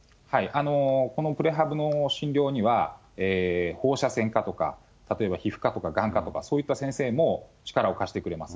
このプレハブの診療には、放射線科とか、例えば皮膚科とか、がん科とか、そういった先生も力を貸してくれます。